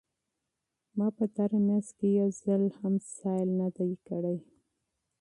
ما په تېره میاشت کې یو ځل هم تفریح نه ده کړې.